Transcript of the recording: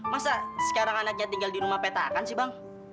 masa sekarang anaknya tinggal di rumah petakan sih bang